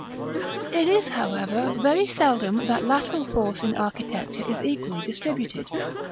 § VI. It is, however, very seldom that lateral force in architecture is equally distributed.